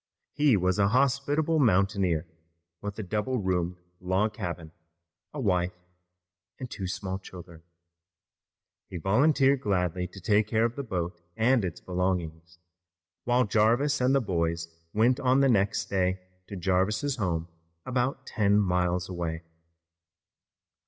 He was a hospitable mountaineer, with a double roomed log cabin, a wife and two small children. He volunteered gladly to take care of the boat and its belongings, while Jarvis and the boys went on the next day to Jarvis's home about ten miles away.